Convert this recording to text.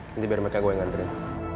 nanti biar mereka gue yang ngantri